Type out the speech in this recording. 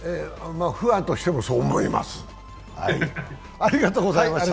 ファンとしてもそう思います。